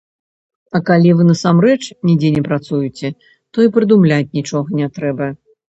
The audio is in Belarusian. А калі вы насамрэч нідзе не працуеце, то і прыдумляць нічога не трэба.